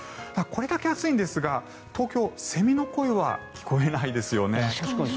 これだけ暑いんですが東京、セミの声は聞こえないですね。